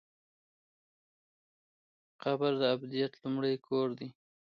قبر د ابدیت لومړی کور دی؟